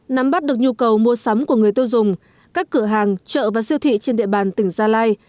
nắm bắt được nhu cầu mua sắm của người tiêu dùng các cửa hàng chợ và siêu thị trên địa bàn tỉnh gia lai